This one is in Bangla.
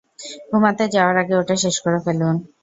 ঘুমাতে যাওয়ার আগে ওটা শেষ করে ফেলুন।